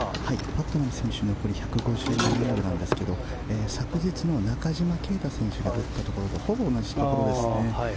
パットナム１５４ヤードなんですが昨日の中島啓太選手が打ったところとほぼ同じところですね。